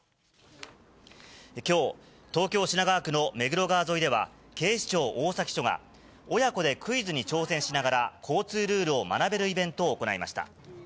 きょう、東京・品川区の目黒川沿いでは、警視庁大崎署が、親子でクイズに挑戦しながら交通ルールを学べるイベントを行いました。